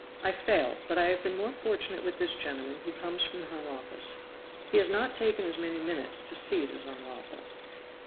I failed; but I have been more fortunate with this gentleman who comes from the Home Office. He has not taken as many minutes to see it is unlawful."